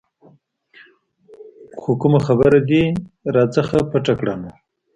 خو که کومه خبره دې رانه پټه کړه نو.